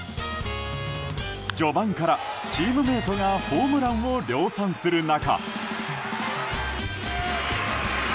序盤からチームメートがホームランを量産する中。